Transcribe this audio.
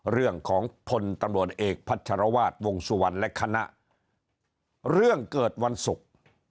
เรื่องของพลตำรวจเอกพัชรวาสวงสุวรรณและคณะเรื่องเกิดวันศุกร์